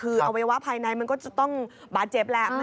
คืออวัยวะภายในมันก็จะต้องบาดเจ็บแหละ